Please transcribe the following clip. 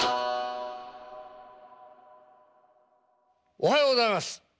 おはようございます。